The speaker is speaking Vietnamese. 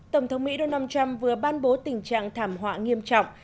tổng thống mỹ donald trump vừa ban bố tình trạng thảm họa nghiêm trọng